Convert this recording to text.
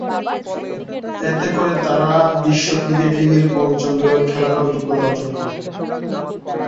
এতে করে তারা বিশ্ব ক্রিকেট লীগের পঞ্চম বিভাগে খেলার যোগ্যতা অর্জন করে।